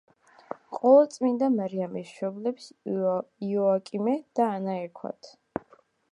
ყოვლადწმიდა მარიამის მშობლებს იოაკიმე და ანა ერქვათ.